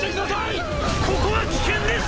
ここは危険です！